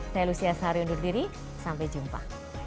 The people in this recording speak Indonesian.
saya lucia sahariondur diri sampai jumpa